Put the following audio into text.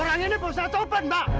orang ini bosen sopan pak